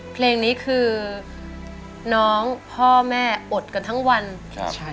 เพลงนี้คือน้องพ่อแม่อดกันทั้งวันครับใช่